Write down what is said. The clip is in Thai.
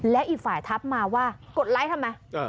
และอีกฝ่ายทักมาว่ากดไลค์ทำไม